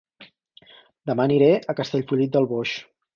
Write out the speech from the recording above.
Dema aniré a Castellfollit del Boix